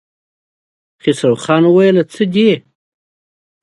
خسرو خان وويل: څه دي؟